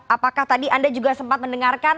apakah tadi anda juga sempat mendengarkan